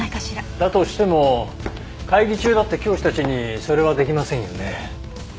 だとしても会議中だった教師たちにそれはできませんよね。